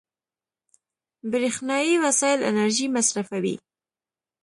برېښنایي وسایل انرژي مصرفوي.